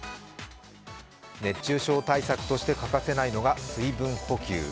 熱中症対策として欠かせないのが水分補給。